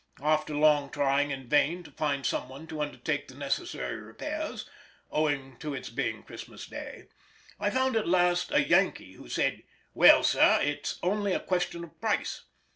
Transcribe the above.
After long trying in vain to find some one to undertake the necessary repairs, owing to its being Christmas day, I found at last a Yankee, who said: "Well sir, its only a question of price."